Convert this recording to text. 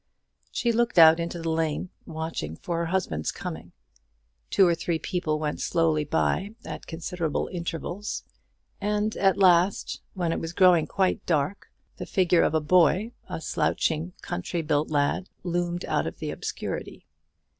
She looked out into the lane, watching for her husband's coming. Two or three people went slowly by at considerable intervals; and at last, when it was growing quite dark, the figure of a boy, a slouching country built lad, loomed out of the obscurity.